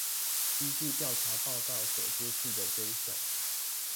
依據調查報告所揭示的真相